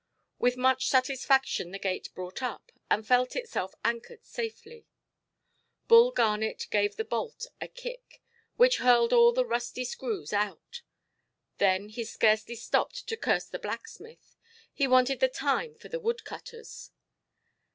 With much satisfaction the gate brought up, and felt itself anchored safely; Bull Garnet gave the bolt a kick, which hurled all the rusty screws out. Then he scarcely stopped to curse the blacksmith; he wanted the time for the woodcutters.